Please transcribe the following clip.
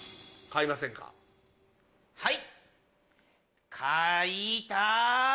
はい。